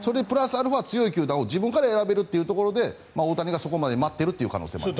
アルファ強い球団を自分から選べるということで大谷がそこまで待っている可能性もあります。